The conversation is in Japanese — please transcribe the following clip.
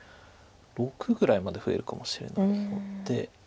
６６ぐらいまで増えるかもしれないので。